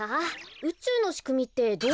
うちゅうのしくみってどうなってるんでしょうか？